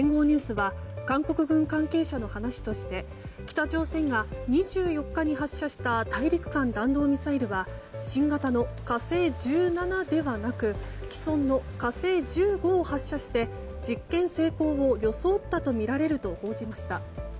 ニュースは韓国軍関係者の話として北朝鮮が２４日に発射した大陸間弾道ミサイルは新型の「火星１７」ではなく既存の「火星１５」を発射して実験成功を装ったとみられると報じました。